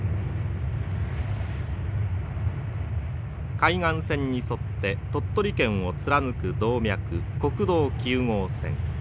海岸線に沿って鳥取県を貫く動脈国道９号線。